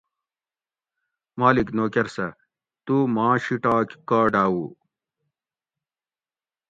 مالک نوکر سہ: تُو ما شیٹاگ کا ڈاوو؟